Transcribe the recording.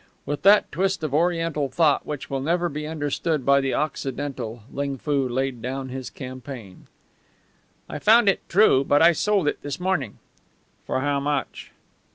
With that twist of Oriental thought which will never be understood by the Occidental, Ling Foo laid down his campaign. "I found it, true. But I sold it this morning." "For how much?"